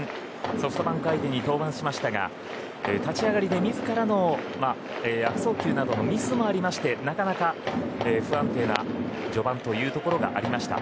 ソフトバンク相手に登板しましたが立ち上がりで自らの悪送球などのミスもありましてなかなか不安定な序盤というところがありました。